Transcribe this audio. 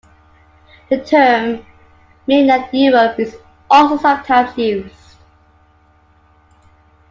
The term "mainland Europe" is also sometimes used.